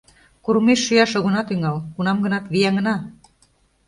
Курымеш шӱяш огына тӱҥал, кунам-гынат вияҥына.